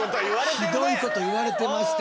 ひどいこと言われてまして。